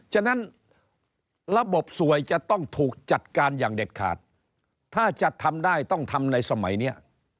ฉะนั้นระบบสวยจะต้องถูกจัดการอย่างเด็ดขาดถ้าจะทำได้ต้องทำในสมัยนี้